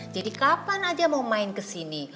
jadi kapan aja mau main kesini